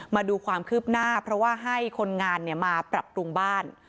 มาดูความคืบหน้าเพราะว่าให้คนงานมาปรับปรุงบ้าน